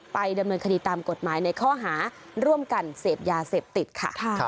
ดำเนินคดีตามกฎหมายในข้อหาร่วมกันเสพยาเสพติดค่ะ